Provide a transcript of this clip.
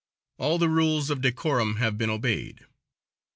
All the rules of decorum have been obeyed.